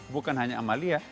bukan hanya amalia